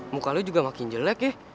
mukanya juga makin jelek ya